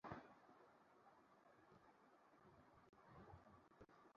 আমি তো সন্ন্যাসী, সন্ন্যাসী কখনও বিবাহ করে না।